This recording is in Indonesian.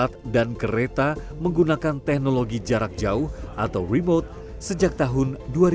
alat dan kereta menggunakan teknologi jarak jauh atau remote sejak tahun dua ribu dua